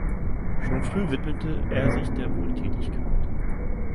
Schon früh widmete er sich der Wohltätigkeit.